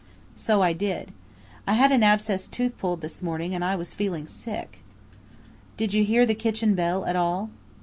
So I did. I had an abscessed tooth pulled this morning, and I was feeling sick." "Did you hear the kitchen bell at all?"